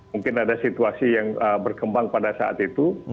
mungkin ada situasi yang berkembang pada saat itu